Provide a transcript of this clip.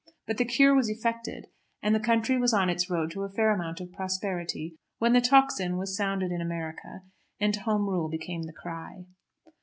But the cure was effected, and the country was on its road to a fair amount of prosperity, when the tocsin was sounded in America, and Home Rule became the cry.